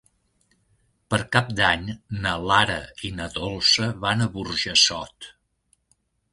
Per Cap d'Any na Lara i na Dolça van a Burjassot.